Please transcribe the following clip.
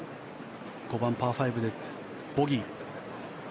５番、パー５でボギー。